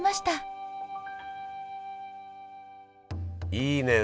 いいね。